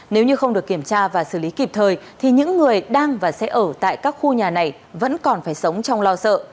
nếu như không được kiểm tra và xử lý kịp thời thì những người đang và sẽ ở tại các khu nhà này vẫn còn phải sống trong lo sợ